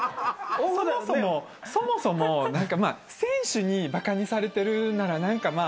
そもそもそもそも選手にバカにされてるなら何か